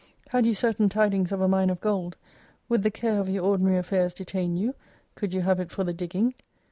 Had you certain tidings of a mine of gold, would the care of your ordinary affairs detain you, could you have it for the digging